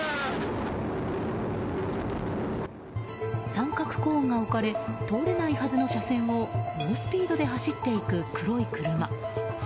三角コーンが置かれ通れないはずの車線を猛スピードで走っていく黒い車。